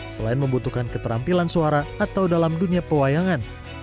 selain membutuhkan keterampilan suara atau dalam dunia pewayangan